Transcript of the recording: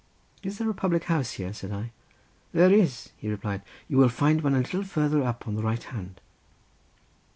"Is there a public house here?" said I. "There is," he replied, "you will find one a little farther up on the right hand."